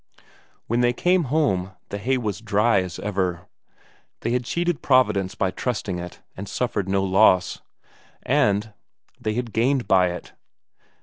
When they came home the hay was dry as ever. They had cheated providence by trusting it, and suffered no loss; they had gained by it.